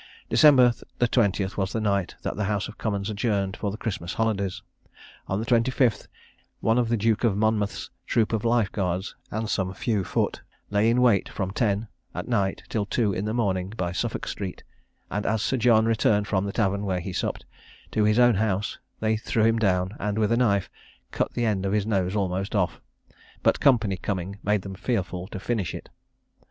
December the 20th was the night that the House of Commons adjourned for the Christmas holidays. On the 25th, one of the Duke of Monmouth's troop of life guards and some few foot, lay in wait from ten at night till two in the morning, by Suffolk Street; and as Sir John returned from the tavern, where he supped, to his own house, they threw him down, and, with a knife, cut the end of his nose almost off; but company coming made them fearful to finish it.